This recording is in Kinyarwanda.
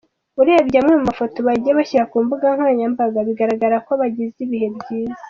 Urebye amwe mu mafoto bagiye bashyira ku mbuga nkoranyambaga, bigaragara ko bagize ibihe byiza.